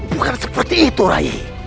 bukan seperti itu rai